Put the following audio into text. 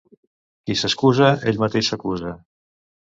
Qui s'excusa, ell mateix s'acusa.